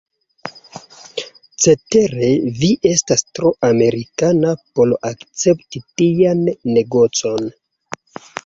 Cetere, vi estas tro Amerikana por akcepti tian negocon.